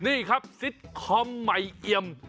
นี่ครับซิตคอมใหม่เอียม